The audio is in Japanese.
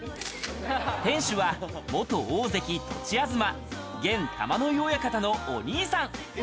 店主は元大関・栃東、元玉ノ井親方のお兄さん。